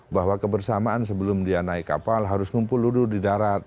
bahwa kebersamaan sebelum dia naik kapal harus ngumpul di darat